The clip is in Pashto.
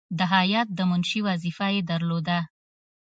د هیات د منشي وظیفه یې درلوده.